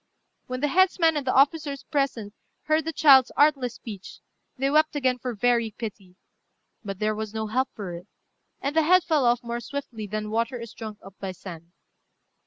When the headsman and the officers present heard the child's artless speech, they wept again for very pity; but there was no help for it, and the head fell off more swiftly than water is drunk up by sand.